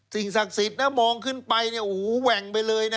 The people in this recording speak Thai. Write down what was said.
สิ่งศักดิ์สิทธิ์นะมองขึ้นไปเนี่ยโอ้โหแหว่งไปเลยนะ